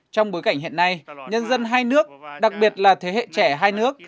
trong bối cảnh hiện nay nhân dân hai nước đặc biệt là thế hệ trẻ hai nước